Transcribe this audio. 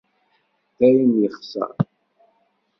Dayen yexṣer.